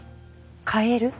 カエル？